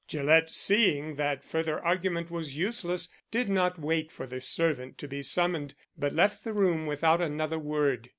Gillett, seeing that further argument was useless, did not wait for the servant to be summoned, but left the room without another word.